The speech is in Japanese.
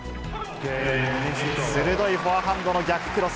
鋭いフォアハンドの逆クロス。